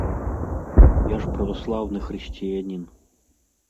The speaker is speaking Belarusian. Я ж праваслаўны хрысціянін.